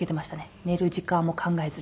寝る時間も考えずに。